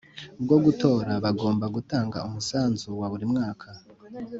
bwo gutora Bagomba gutanga umusanzu wa buri mwaka